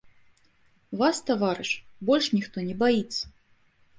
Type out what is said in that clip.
Вас, таварыш, больш ніхто не баіцца.